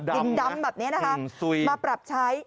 ดินดำแบบนี้นะคะมาปรับใช้